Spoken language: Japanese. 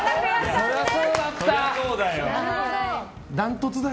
そりゃそうだよ。